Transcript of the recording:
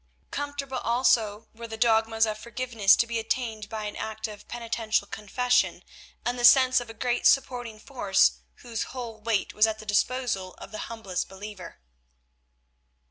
Comfortable also were the dogmas of forgiveness to be obtained by an act of penitential confession, and the sense of a great supporting force whose whole weight was at the disposal of the humblest believer.